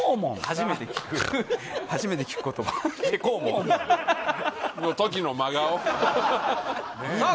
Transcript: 初めて聞く初めて聞く言葉手肛門の時の真顔さあ